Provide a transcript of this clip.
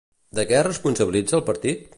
De què es responsabilitza el partit?